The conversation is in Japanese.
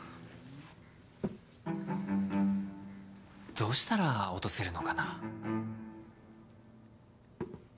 どうしたら落とせるのかな？